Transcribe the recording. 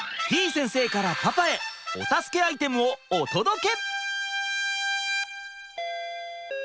先生からパパへお助けアイテムをお届け！